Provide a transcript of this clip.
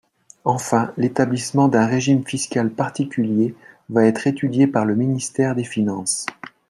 Enfin, l’établissement d’un régime fiscal particulier va être étudié par le ministère des finances.